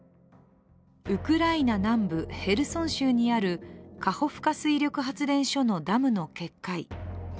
ウクライナ南部ヘルソン州にある、カホフカ水力発電所のダムの決壊